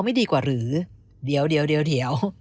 ไม่ดีกว่าหรือเดี๋ยว